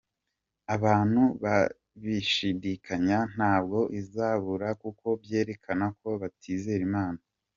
Abantu babishidikanya, ntabwo izabazura kuko byerekana ko batizera imana.